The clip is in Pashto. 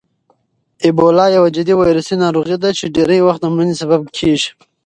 اېبولا یوه جدي ویروسي ناروغي ده چې ډېری وخت د مړینې سبب کېږي.